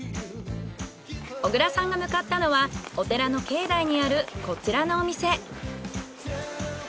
小倉さんが向かったのはお寺の境内にあるこちらのお店。